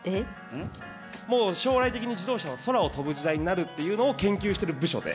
もう将来的に自動車は空を飛ぶ時代になるっていうのを研究してる部署で。